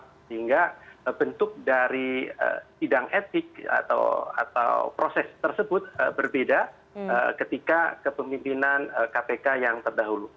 sehingga bentuk dari sidang etik atau proses tersebut berbeda ketika kepemimpinan kpk yang terdahulu